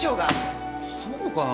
そうかな？